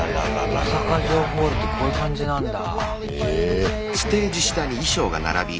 大阪城ホールってこういう感じなんだ。